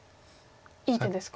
いい手ですか？